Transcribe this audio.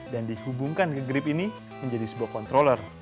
dan dihubungkan ke grip ini menjadi sebuah controller